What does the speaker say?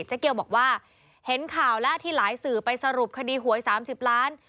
เจ๊เกียวบอกว่าเห็นข่าวแล้วที่หลายสื่อไปสรุปคดีหวย๓๐ล้าน